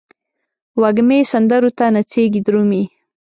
وږمې سندرو ته نڅیږې درومې